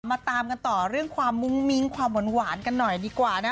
ตามกันต่อเรื่องความมุ้งมิ้งความหวานกันหน่อยดีกว่านะ